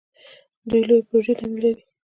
دوی لویې پروژې تمویلوي.